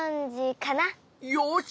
よし！